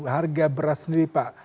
harga beras sendiri pak